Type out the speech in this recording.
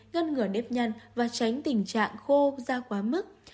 ngăn ngừa nếp nhăn và tránh tình trạng khô ra quá mức